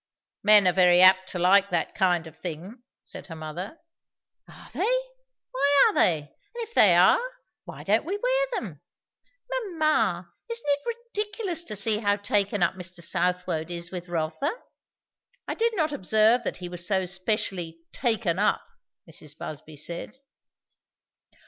"Men are very apt to like that kind of thing," said her mother. "Are they? Why are they. And if they are, why don't we wear them? Mamma! isn't it ridiculous to see how taken up Mr. Southwode is with Rotha?" "I did not observe that he was so specially 'taken up,'" Mrs. Busby said.